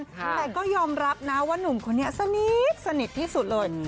แต่ก็ยอมรับนะว่านุ่มคนนี้สนิทที่สุดเลย